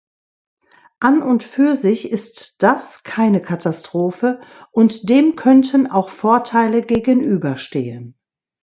An und für sich ist das keine Katastrophe, und dem könnten auch Vorteile gegenüberstehen.